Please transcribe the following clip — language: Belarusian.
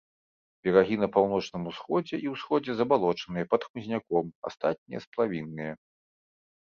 Берагі на паўночным усходзе і ўсходзе забалочаныя, пад хмызняком, астатнія сплавінныя.